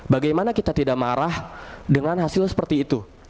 bagaimana kita tidak marah dengan hasil seperti itu